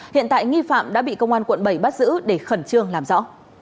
hiện tại nghi phạm đã bị công an quận bảy bắt giữ để khẩn trương làm rõ